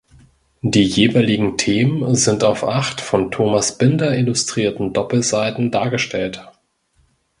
Die jeweiligen Themen sind auf acht von Thomas Binder illustrierten Doppelseiten dargestellt.